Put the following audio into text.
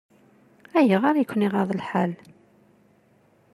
Ayɣer i ken-iɣaḍ lḥal?